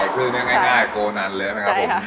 เอาชื่อนี้ง่ายโกนนั่นมั้ยคุณครับผม